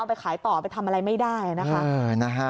ไปขายต่อไปทำอะไรไม่ได้นะคะ